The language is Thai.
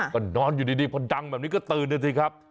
ก็นอนอยู่ดีพอดังแบบนี้ก็ตื่นนะสิครับ